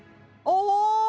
お！